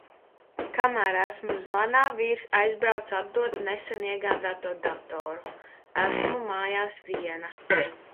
Kamēr esmu zvanā, vīrs aizbrauc atdot nesen iegādāto datoru. Esmu mājās viena.